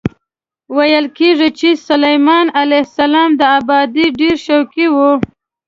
ویل کېږي چې سلیمان علیه السلام د ابادۍ ډېر شوقي و.